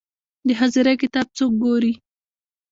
د حاضري کتاب څوک ګوري؟